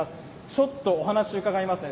ちょっとお話伺いますね。